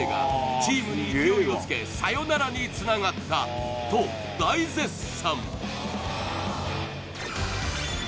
「チームに勢いを付けサヨナラに繋がった」と大絶賛